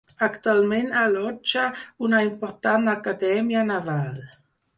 Actualment allotja una important acadèmia naval.